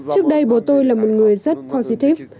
trước đây bố tôi là một người rất positive